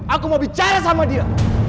aku mau bicara sama dia